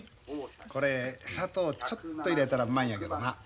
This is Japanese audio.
これ砂糖ちょっと入れたらうまいんやけどな。